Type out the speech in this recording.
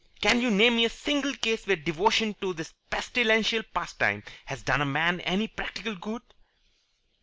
Can you name me a single case where devotion to this pestilential pastime has done a man any practical good?"